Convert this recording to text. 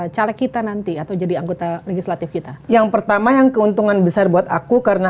caleg kita nanti atau jadi anggota legislatif kita yang pertama yang keuntungan besar buat aku karena